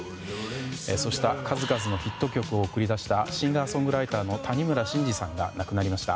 そして、数々のヒット曲を送り出したシンガーソングライターの谷村新司さんが亡くなりました。